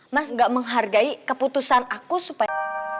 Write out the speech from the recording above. mas gak menghargai keputusan aku supaya